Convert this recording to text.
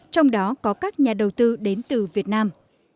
trong đó có các nhà đầu tư đến từ việt nam